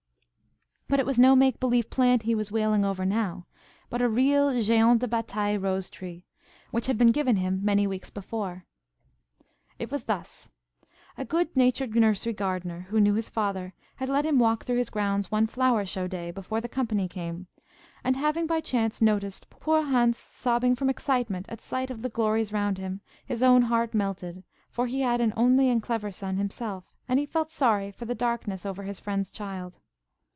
But it was no make believe plant he was wailing over now, but a real Géant de Batailles rose tree, which had been given him many weeks before. It was thus:–A good natured nursery gardener, who knew his father, had let him walk through his grounds one flower show day, before the company came; and having, by chance, noticed poor Hans sobbing from excitement at sight of the glories round him, his own heart melted; for he had an only and clever son himself, and he felt sorry for the darkness over his friend's child.